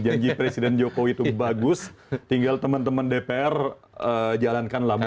janji presiden jokowi itu bagus tinggal teman teman dpr jalankan lamongan